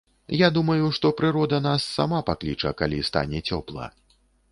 Я думаю, што прырода нас сама пакліча, калі стане цёпла.